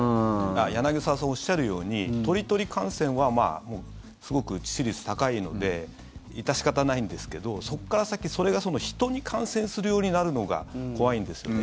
柳澤さんがおっしゃるように鳥鳥感染はすごく致死率が高いので致し方ないんですけどそこから先、それが人に感染するようになるのが怖いんですよね。